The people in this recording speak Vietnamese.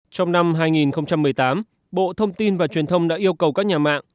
trong năm hai nghìn một mươi tám bộ thông tin và truyền thông đã yêu cầu các nhà mạng